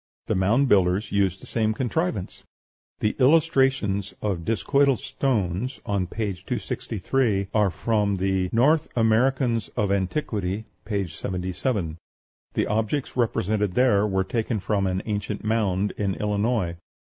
The Mound Builders used the same contrivance. The illustrations of discoidal stones on page 263 are from the "North Americans of Antiquity," p. 77. The objects represented were taken from an ancient mound in Illinois.